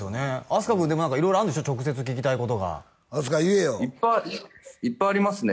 飛鳥くんでも色々あるんでしょ直接聞きたいことが飛鳥言えよいっぱいありますね